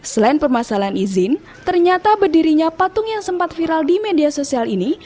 selain permasalahan izin ternyata berdirinya patung yang sempat viral di media sosial ini